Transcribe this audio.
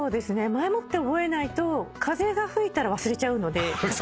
前もって覚えないと風が吹いたら忘れちゃうので。